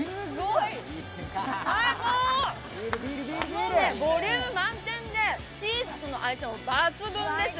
もうボリューム満点でチーズとの相性も抜群です。